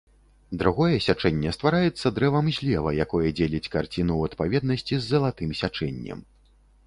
Другое сячэнне ствараецца дрэвам злева, якое дзеліць карціну ў адпаведнасці з залатым сячэннем.